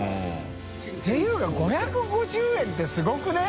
討いΔ５５０円ってすごくない？